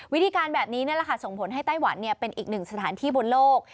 วิธีการแบบนี้นั่นแหละค่ะส่งผลให้ไต้หวันเป็นอีกหนึ่งสถานที่บนโลก